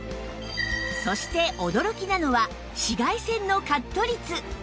そして驚きなのは紫外線のカット率